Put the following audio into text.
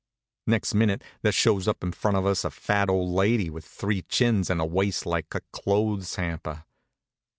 Next minute there shows up in front of us a fat old lady, with three chins and a waist like a clothes hamper.